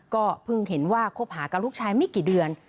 ก็เพิ่งเห็นว่าคบหากับลูกชายไม่กี่เดือน